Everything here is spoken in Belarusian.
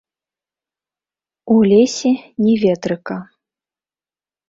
У лесе ні ветрыка.